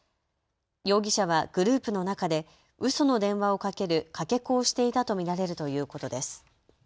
容疑者はグループの中でうその電話をかけるかけ子をしていたと見られるということです。